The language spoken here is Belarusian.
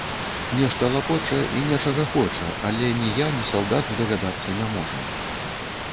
Нешта лапоча і нечага хоча, але ні я, ні салдат здагадацца не можам.